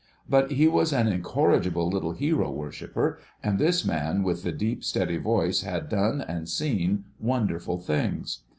But he was an incorrigible little hero worshipper, and this man with the deep steady voice had done and seen wonderful things.